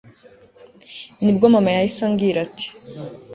nibwo mama yahise ambwira ati